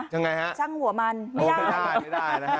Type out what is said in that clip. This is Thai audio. ช่างหัวมันไม่ได้